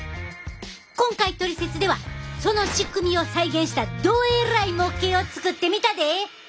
今回「トリセツ」ではその仕組みを再現したどえらい模型を作ってみたで！